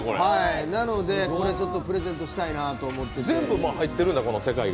これ、ちょっとプレゼントしたいなと思って。